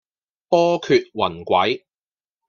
波譎雲詭